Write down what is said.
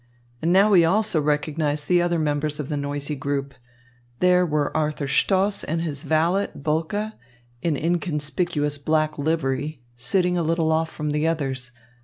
And now he also recognised the other members of the noisy group. There were Arthur Stoss and his valet, Bulke, in inconspicuous black livery, sitting a little off from the others.